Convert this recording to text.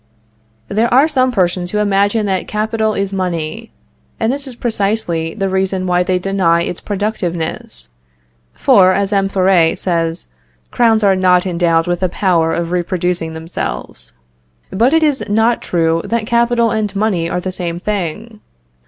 There are some persons who imagine that capital is money, and this is precisely the reason why they deny its productiveness; for, as M. Thoré says, crowns are not endowed with the power of reproducing themselves. But it is not true that capital and money are the same thing.